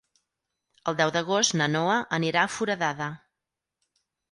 El deu d'agost na Noa anirà a Foradada.